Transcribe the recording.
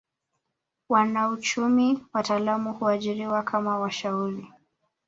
Wanauchumi wataalamu huajiriwa kama washauri